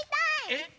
えっ？